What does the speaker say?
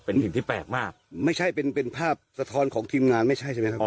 เป็นสิ่งที่แปลกมากไม่ใช่เป็นเป็นภาพสะท้อนของทีมงานไม่ใช่ใช่ไหมครับ